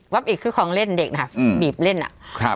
ป๊อบอิตคือของเล่นเด็กนะคะอืมบีบเล่นอ่ะครับ